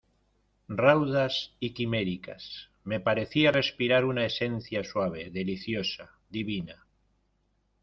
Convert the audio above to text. raudas y quiméricas, me parecía respirar una esencia suave , deliciosa , divina: